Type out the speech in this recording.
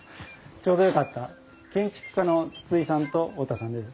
ちょうどよかった建築家の筒井さんと太田さんです。